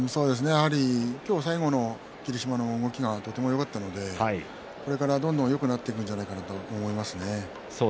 今日、最後の霧島の動きがとてもよかったのでこれからどんどんよくなっていくんじゃないかなと思いますね。